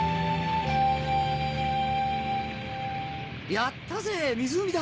やったぜ湖だ。